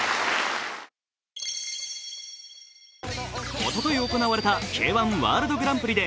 おととい行われたＫ−１ワールドグランプリで